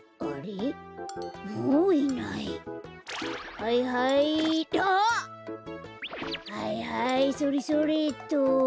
はいはいそれそれっと。